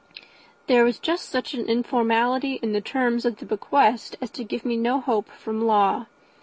"There was just such an informality in the terms of the bequest as to give me no hope from law.